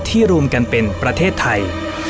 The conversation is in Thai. รวมกันเป็นประเทศไทย